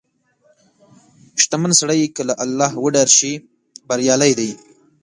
• شتمن سړی که له الله وډار شي، بریالی دی.